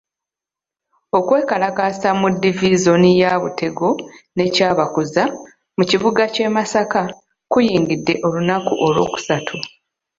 Okwekalakaasa mu divisoni ya Butego ne Kyabakuza mu kibuga ky'e Masaka kuyingidde olunaku Olwokusatu.